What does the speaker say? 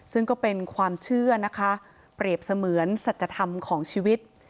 ซึ่งก็เป็นความเชื่อนะคะเปรียบเสมือนสัจธรรมของชีวิต